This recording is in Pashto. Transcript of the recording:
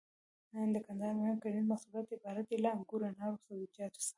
د کندهار مهم کرنيز محصولات عبارت دي له: انګور، انار او سبزيجاتو څخه.